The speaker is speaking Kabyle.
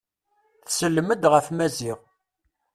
Tsellem-d ɣef Maziɣ.